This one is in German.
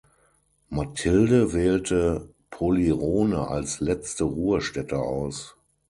Mathilde wählte Polirone als letzte Ruhestätte aus.